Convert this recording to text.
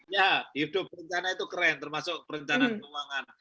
ya hidup berencana itu keren termasuk perencanaan keuangan